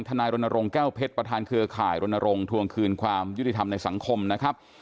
นายรณรงค์แก้วเพชรประธานเครือข่ายรณรงค์ทวงคืนความยุติธรรมในสังคมนะครับ